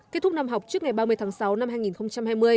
kết thúc năm học trước ngày ba mươi tháng sáu năm hai nghìn hai mươi